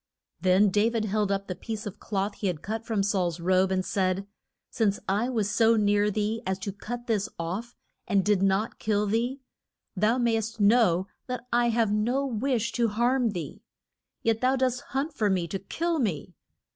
Then Da vid held up the piece of cloth he had cut from Saul's robe, and said, Since I was so near thee as to cut this off and did not kill thee, thou may'st know that I have no wish to harm thee. Yet thou dost hunt for me to kill me.